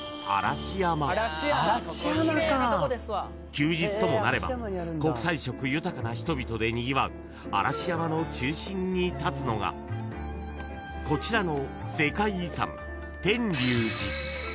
［休日ともなれば国際色豊かな人々でにぎわう嵐山の中心に立つのがこちらの］